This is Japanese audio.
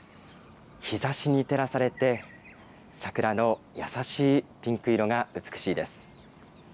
日ざしに照らされて、桜の優しいピンク色が美しいです。